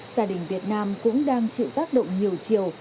gia đình việt nam cũng đang chịu tác động nhiều chiều